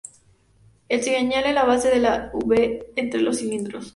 Un cigüeñal en la base de la V entre los cilindros.